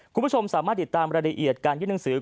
คุณผู้ชมสามารถติดตามรายละเอียดการยื่นหนังสือ